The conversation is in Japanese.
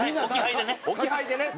置き配でね。